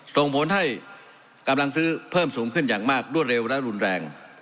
ส่งผลให้กำลังซื้อเพิ่มสูงขึ้นอย่างมากรวดเร็วและรุนแรง